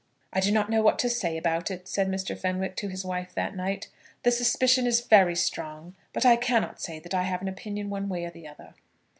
"I do not know what to say about it," said Mr. Fenwick to his wife that night. "The suspicion is very strong; but I cannot say that I have an opinion one way or the other."